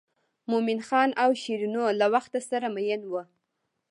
مومن خان او شیرینو له وخته سره مئین وو.